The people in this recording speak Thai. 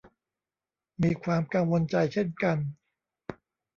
มีความกังวลใจเช่นกัน